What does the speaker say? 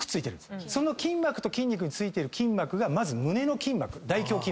その筋膜と筋肉についてる筋膜がまず胸の筋膜大胸筋膜。